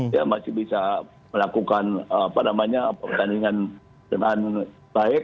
dia masih bisa melakukan pertandingan dengan baik